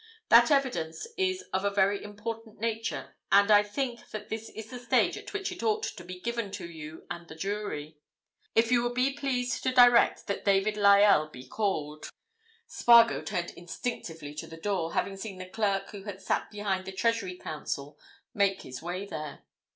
That evidence is of a very important nature, and I think that this is the stage at which it ought to be given to you and the jury. If you would be pleased to direct that David Lyell be called—" Spargo turned instinctively to the door, having seen the clerk who had sat behind the Treasury Counsel make his way there.